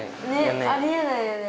ねありえないよね。